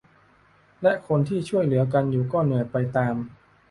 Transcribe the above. และคนที่ช่วยเหลือกันอยู่ก็เหนื่อยไปตาม